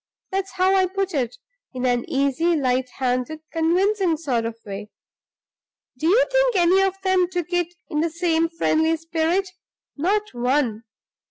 That's how I put it, in an easy, light handed, convincing sort of way. Do you think any of them took it in the same friendly spirit? Not one!